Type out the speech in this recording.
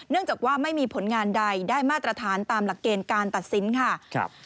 จากว่าไม่มีผลงานใดได้มาตรฐานตามหลักเกณฑ์การตัดสินค่ะ